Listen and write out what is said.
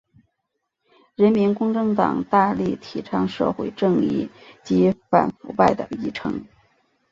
人民公正党大力提倡社会正义及反腐败的议程。